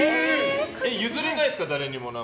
譲れないんですか、誰にも。